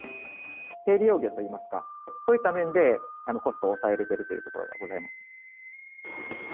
低利用魚といいますか、そういった面でコストを抑えれてるというところがございます。